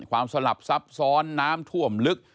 สลับซับซ้อนน้ำท่วมลึก